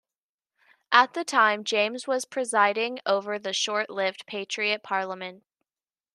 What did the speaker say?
At the time James was presiding over the short-lived Patriot Parliament.